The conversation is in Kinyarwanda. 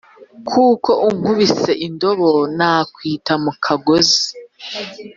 kuko unkubise indobo nakwita mukagozi